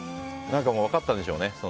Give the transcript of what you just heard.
何か、分かったんでしょうね